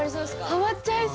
ハマっちゃいそう。